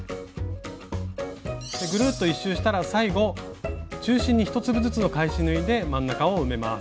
ぐるっと１周したら最後中心に１粒ずつの返し縫いで真ん中を埋めます。